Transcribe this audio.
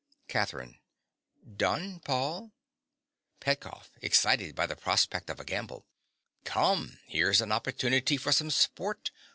CATHERINE. Done, Paul. PETKOFF. (excited by the prospect of a gamble). Come: here's an opportunity for some sport.